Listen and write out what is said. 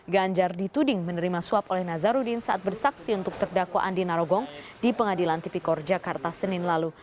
ganjar dituding menerima suap oleh nazarudin saat bersaksi untuk terdakwa andi narogong di pengadilan tipikor jakarta senin lalu